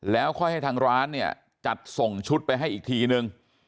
แล้วค่อยให้ทางร้านเนี่ยจัดส่งชุดไปให้อีกทีนึง